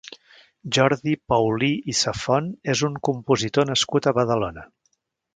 Jordi Paulí i Safont és un compositor nascut a Badalona.